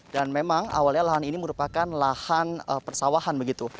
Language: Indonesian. dan memang awalnya lahan ini merupakan lahan persawahan begitu